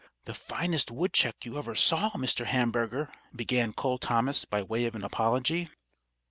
"The finest woodchuck you ever saw, Mr. Hamburger," began Cole Thomas, by way of an apology.